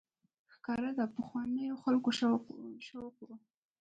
ښکار د پخوانیو خلکو شوق و.